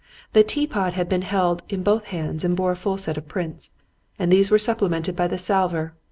The teapot had been held in both hands and bore a full set of prints; and these were supplemented by the salver.